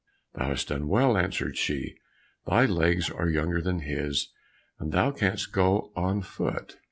"Thou hast done well," answered she, "thy legs are younger than his, and thou canst go on foot."